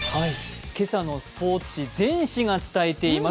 今朝のスポーツ紙全紙が伝えています。